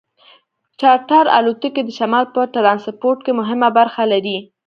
چارټر الوتکې د شمال په ټرانسپورټ کې مهمه برخه لري